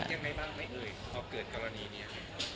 เว้ยพอเกิดกรณีนี้